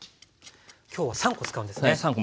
今日は３コ使うんですね。